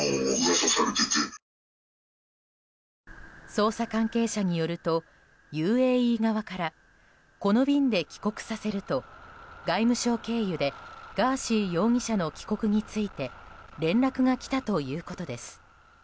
捜査関係者によるとＵＡＥ側からこの便で帰国させると外務省経由でガーシー容疑者の帰国について連絡が来たということです。